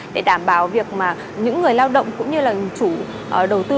để đảm bảo việc mà những người lao động cũng như là chủ đầu tư